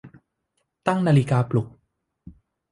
ตั้งนาฬิกาปลุก